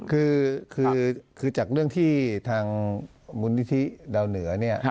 คือจากเรื่องที่ทางมูลนิธิดาวเหนือเนี่ย